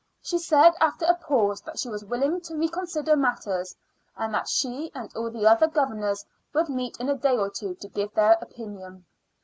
She said after a pause that she was willing to reconsider matters, and that she and all the other governors would meet in a day or two to give their opinion.